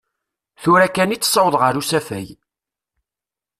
Tura kan i t-ssawḍeɣ ar usafag.